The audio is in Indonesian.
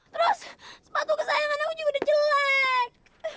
terus sepatu kesayangan aku juga udah jelek